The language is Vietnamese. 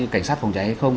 cảnh sát phòng cháy hay không